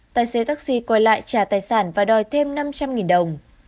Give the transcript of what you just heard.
tài xế taxi quay lại trả tài sản và đòi thêm năm trăm linh đồng